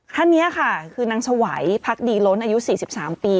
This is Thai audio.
ท่านนี้ค่ะคือนางสวัยพักดีล้นอายุ๔๓ปี